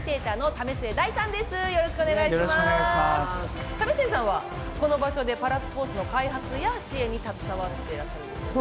為末さんはこの場所でパラスポーツの開発や支援に携わってらっしゃるんですよね？